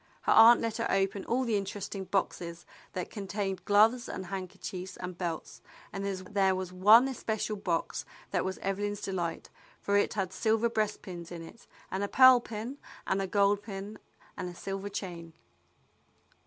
Her aunt let her open all the interesting boxes that contained gloves and handker chiefs and belts, and there was one especial box that was Evelyn's delight, for it had silver breast pins in it, and a pearl pin and a gold pin and a silver chain.